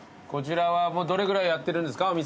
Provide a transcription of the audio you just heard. こちらはもうどれぐらいやってるんですか？